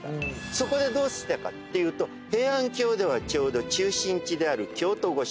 そこでどうしたかっていうと平安京ではちょうど中心地である京都御所。